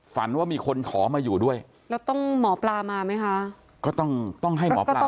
ฝันว่ามีคนขอมาอยู่ด้วยแล้วต้องหมอปลามาไหมคะ